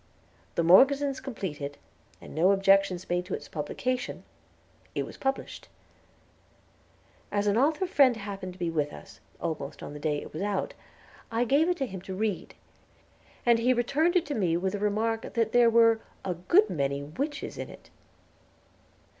"The Morgesons" completed, and no objections made to its publication, it was published. As an author friend happened to be with us, almost on the day it was out, I gave it to him to read, and he returned it to me with the remark that there were "a good many whiches in it."